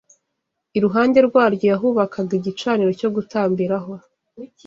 iruhande rwaryo yahubakaga igicaniro cyo gutambiraho